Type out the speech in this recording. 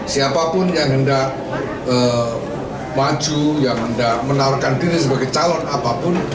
siapapun yang hendak maju yang hendak menaruhkan diri sebagai calon apapun